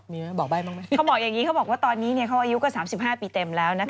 เขาบอกอย่างนี้ว่าตอนนี้เขาอายุก็๓๕ปีเต็มแล้ว